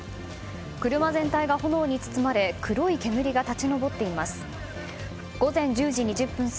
車全体が炎に包まれ黒い煙が立ち上っています。